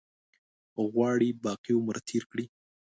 غواړي باقي عمر تېر کړي.